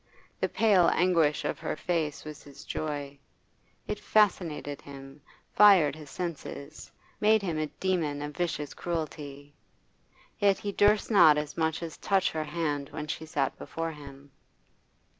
The pale anguish of her face was his joy; it fascinated him, fired his senses, made him a demon of vicious cruelty. Yet he durst not as much as touch her hand when she sat before him.